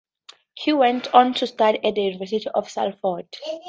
He went on to study at the University of Salford.